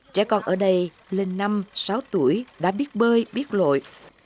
trẻ con ở đây lên năm sáu tuổi đã biết bơi biết lội